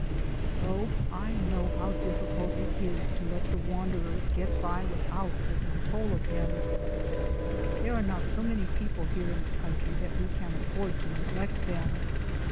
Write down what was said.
Oh, I know how difficult it is to let the wanderer get by without taking toll of him! There are not so many people here in the country that we can afford to neglect them.